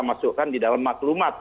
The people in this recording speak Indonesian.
masukkan di dalam maklumat